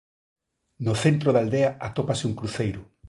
No centro da aldea atópase un cruceiro.